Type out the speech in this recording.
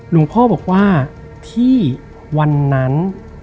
หลวงพ่อบอกว่าที่วันนั้น